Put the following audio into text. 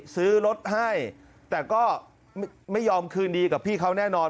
ซื้อรถให้แต่ก็ไม่ยอมคืนดีกับพี่เขาแน่นอน